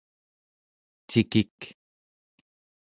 cikik